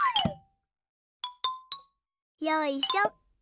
よいしょ。